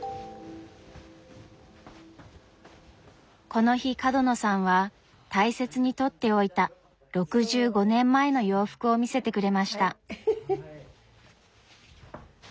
この日角野さんは大切に取っておいた６５年前の洋服を見せてくれました。